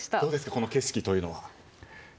この景色というのは。